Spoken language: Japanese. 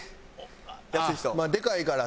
でかいから。